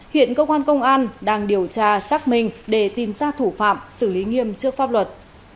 hiện công an đang điều tra xác minh để tìm ra thủ phạm xử lý nghiêm trước pháp luật